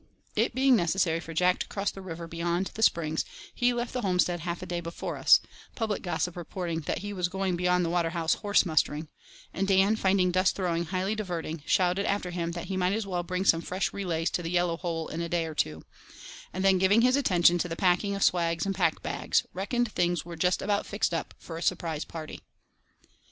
It being necessary for Jack to cross the river beyond the Springs, he left the homestead half a day before us—public gossip reporting that he was "going beyond the Waterhouse horse mustering," and Dan finding dust throwing highly diverting, shouted after him that he "might as well bring some fresh relays to the Yellow Hole in a day or two," and then giving his attention to the packing of swags and pack bags, "reckoned things were just about fixed up for a surprise party."